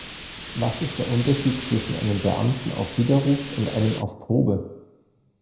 Was ist der Unterschied zwischen einem Beamten auf Widerruf und einem auf Probe?